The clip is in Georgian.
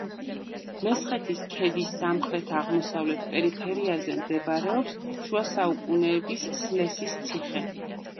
მესხეთის ქედის სამხრეთ-აღმოსავლეთ პერიფერიაზე მდებარეობს შუა საუკუნეების სლესის ციხე.